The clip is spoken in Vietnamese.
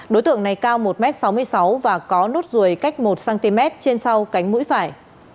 đối tượng này cao một m sáu mươi sáu và có nốt ruồi cách một cm trên sau cánh mũi phải